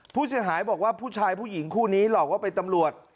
ผู้เสียหายบอกว่าผู้ชายผู้หญิงคู่นี้หลอกว่าเป็นตำรวจ